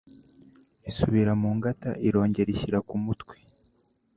isubira mu ngata irongera ishyira ku mutwe